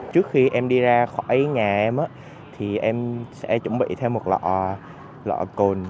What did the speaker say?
trước khi em đi ra khỏi nhà em thì em sẽ chuẩn bị thêm một lọ cồn